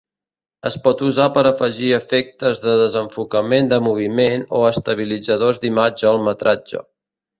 Es pot usar per a afegir efectes de desenfocament de moviment o estabilitzadors d'imatge al metratge.